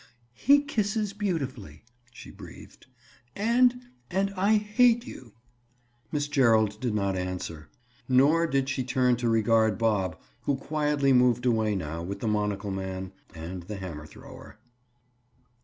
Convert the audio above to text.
"He kisses beautifully," she breathed. "And—and I hate you!" Miss Gerald did not answer; nor did she turn to regard Bob who quietly moved away now with the monocle man and the hammer thrower.